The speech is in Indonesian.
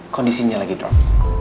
kondisinya lagi drop